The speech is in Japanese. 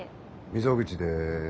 溝口です。